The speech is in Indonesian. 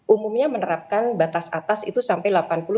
umumnya menerapkan batas atas itu sampai delapan puluh